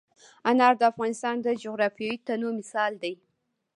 انار د افغانستان د جغرافیوي تنوع مثال دی.